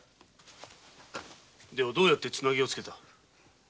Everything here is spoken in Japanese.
ではどうやってツナギをつけた？